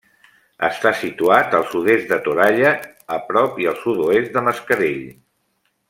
Està situat al sud-est de Toralla, a prop i al sud-oest de Mascarell.